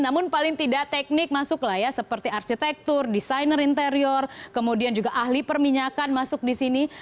namun paling tidak teknik masuk lah ya seperti arsitektur desainer interior kemudian juga ahli perminyakan masuk di sini